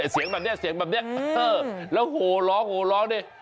เสียงแบบนี้แล้วโหล้งนี่